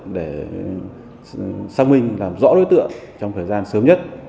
để xác minh làm rõ đối tượng trong thời gian sớm nhất